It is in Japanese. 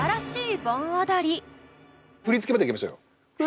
振り付けまでいきましょうよ。